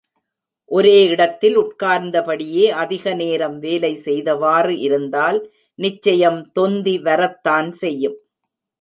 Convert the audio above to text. ஒரே இடத்தில் உட்கார்ந்தபடியே, அதிக நேரம் வேலை செய்தவாறு இருந்தால், நிச்சயம் தொந்தி வரத்தான் செய்யும்.